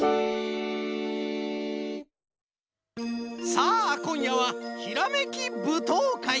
さあこんやはひらめきぶとうかい。